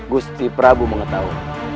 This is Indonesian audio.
gusti prabu mengetahui